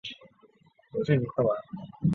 半边莲属桔梗科半边莲属。